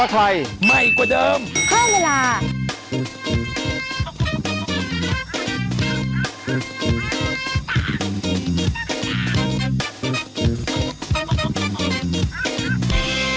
ขอบคุณครับ